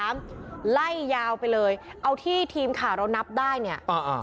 ไล่ยาวไปเลยเอาที่ทีมข่าวเรานับได้เนี่ยอ่า